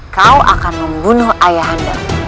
kau akan membunuh ayah anda